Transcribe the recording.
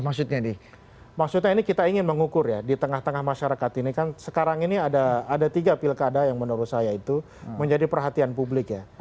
maksudnya nih maksudnya ini kita ingin mengukur ya di tengah tengah masyarakat ini kan sekarang ini ada tiga pilkada yang menurut saya itu menjadi perhatian publik ya